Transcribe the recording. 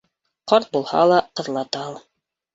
Ҡарт булһа ла, ҡыҙлата ал.